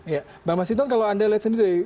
ya mbak mas hidong kalau anda lihat sendiri